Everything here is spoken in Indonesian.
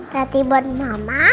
roti buat mama